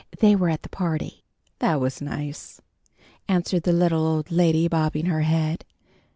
They were at the party." "That was nice," answered the little old lady, bobbing her head.